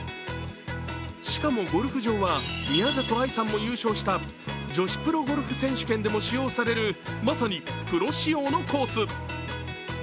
しかもゴルフ場は宮里藍さんも優勝した女子プロゴルフ選手権でも使用される、まさにプロ仕様のコース。